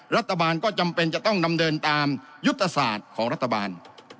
รัฐบาลก็จำเป็นจะต้องนำเดินตามยุทธศาสตร์ของรัฐบาล